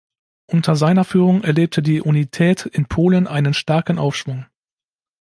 Unter seiner Führung erlebte die Unität in Polen einen starken Aufschwung.